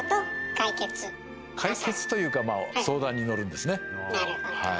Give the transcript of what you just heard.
解決というかまあ相談に乗るんですねはい。